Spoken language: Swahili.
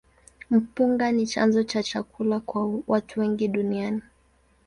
Mpunga ni chanzo cha chakula kwa watu wengi duniani.